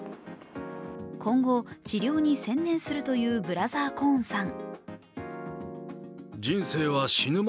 今後、治療に専念するというブラザー・コーンさん。